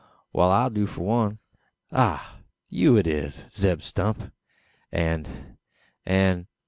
"Wal; I do for one; an " "Ah! you it is, Zeb Stump! and and